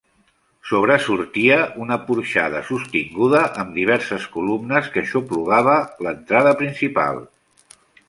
Sobresortia una porxada, sostinguda amb diverses columnes, que aixoplugava l'entrada principal.